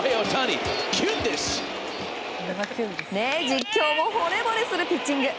実況もほれぼれするピッチング。